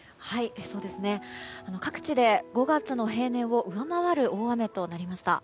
各地で５月の平年を上回る大雨となりました。